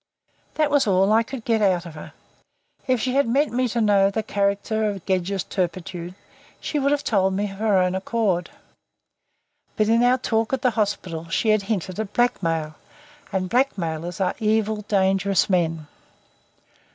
That was all I could get out of her. If she had meant me to know the character of Gedge's turpitude, she would have told me of her own accord. But in our talk at the hospital she had hinted at blackmail and blackmailers are evil, dangerous men.